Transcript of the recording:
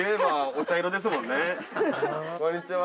こんにちは。